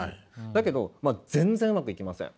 だけど全然うまくいきません。